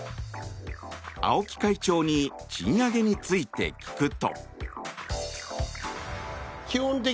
青木会長に賃上げについて聞くと。